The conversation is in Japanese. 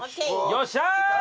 よっしゃ！